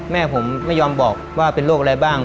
แม่ผมไม่ยอมบอกว่าเป็นโรคอะไรบ้าง